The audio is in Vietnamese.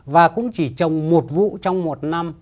và cũng chỉ trồng một vụ trong một năm